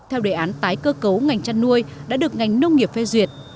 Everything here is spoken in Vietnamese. theo đề án tái cơ cấu ngành chăn nuôi đã được ngành nông nghiệp phê duyệt